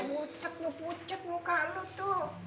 mu cek mu cek muka lu tuh